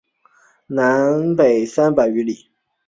南北三百余里。